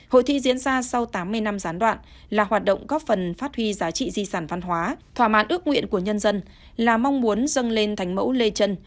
hội thi diễn ra sau tám mươi năm gián đoạn là hoạt động góp phần phát huy giá trị di sản văn hóa thỏa mãn ước nguyện của nhân dân là mong muốn dâng lên thành mẫu lê chân